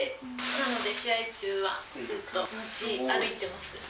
なので、試合中はずっと持ち歩いてます。